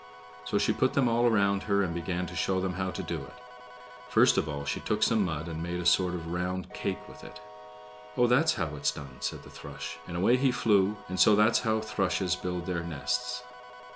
So she put them all around her and began to show them how to do it. First of all she took some mud and made a sort of round cake with it. "Oh, that's how it's done," said the thrush; and away it flew, and so that's how thrushes build their nests.